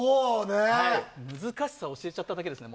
難しさを教えちゃっただけですね。